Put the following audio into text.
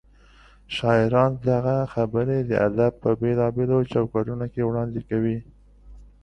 شاعران دغه خبرې د ادب په بېلابېلو چوکاټونو کې وړاندې کوي.